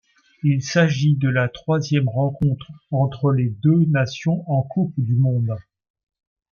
Il s'agit de la troisième rencontre entre les deux nations en Coupe du Monde.